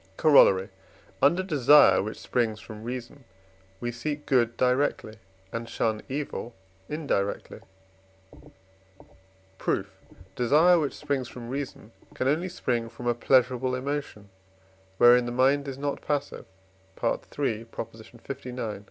Corollary. Under desire which springs from reason, we seek good directly, and shun evil indirectly. Proof. Desire which springs from reason can only spring from a pleasurable emotion, wherein the mind is not passive (III. lix.)